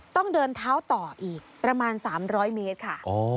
ต้องเดินเท้าต่ออีกประมาณ๓๐๐เมตรค่ะ